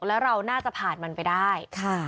แล้วเราน่าจะผ่านมันไปได้